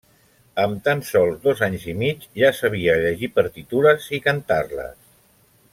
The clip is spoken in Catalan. Amb tan sols dos anys i mig ja sabia llegir partitures i cantar-les.